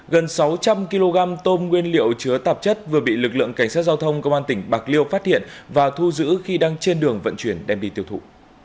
gần sáu trăm linh kg tôm nguyên liệu chứa tạp chất vừa bị lực lượng cảnh sát giao thông công an tỉnh bạc liêu phát hiện và thu giữ khi đang trên đường vận chuyển đem đi tiêu thụ